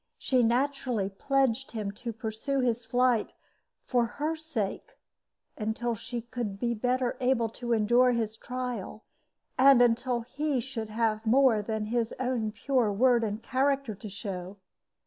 She naturally pledged him to pursue his flight, "for her sake," until she should be better able to endure his trial, and until he should have more than his own pure word and character to show.